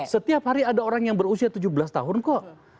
setiap hari ada orang yang berusia tujuh belas tahun kok